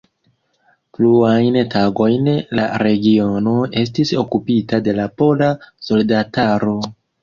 Pluajn tagojn la regiono estis okupita de la pola soldataro.